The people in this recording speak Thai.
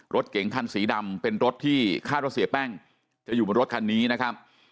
รถเก๋งคันสีดำเป็นรถที่คาดว่าเสียแป้งจะอยู่บนรถคันนี้นะครับ